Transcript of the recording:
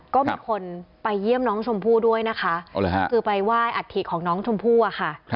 ก็มีคนไปเยี่ยมน้องชมพู่ด้วยนะคะคือไปไหว้อัฐิของน้องชมพู่อะค่ะ